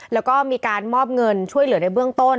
แล้วก็มีการมอบเงินช่วยเหลือในเบื้องต้น